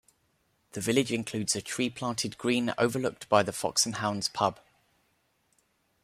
The village includes a tree-planted green overlooked by the Fox and Hounds pub.